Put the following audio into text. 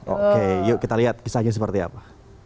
oke yuk kita lihat kisahnya seperti apa